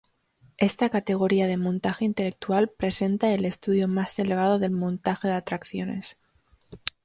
Esta categoría de montaje intelectual presenta el estudio más elevado del montaje de atracciones.